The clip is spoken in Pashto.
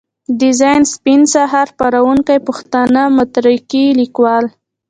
ډيزاين سپين سهار، خپروونکی پښتانه مترقي ليکوال.